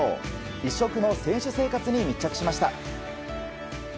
異色の選手生活に密着しました。